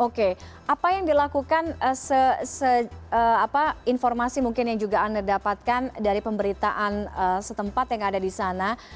oke apa yang dilakukan informasi mungkin yang juga anda dapatkan dari pemberitaan setempat yang ada di sana